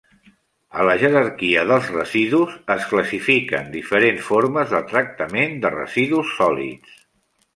A la jerarquia dels residus es classifiquen diferents formes de tractament de residus sòlids.